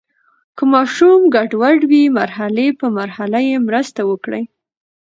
که ماشوم ګډوډ وي، مرحلې په مرحله یې مرسته وکړئ.